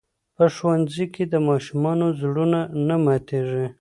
په ښوونځي کې د ماشومانو زړونه نه ماتېږي.